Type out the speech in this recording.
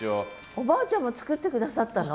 おばあちゃんも作って下さったの？